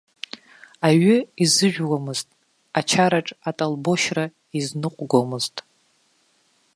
Аҩы изыжәуамызт, ачараҿ атолбошьра изныҟәгомызт.